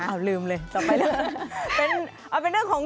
อ้าวลืมเลยต่อไปเรื่อง